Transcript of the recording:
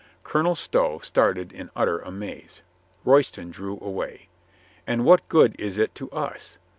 Colonel Stow started in utter amaze. Royston drew away. "And what good is it to us?